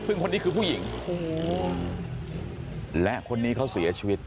ซึ่งคนนี้คือผู้หญิงโอ้โหและคนนี้เขาเสียชีวิต